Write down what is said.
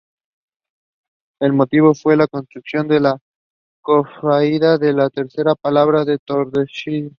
El motivo fue la constitución de la Cofradía de "La Tercera Palabra" en Tordesillas.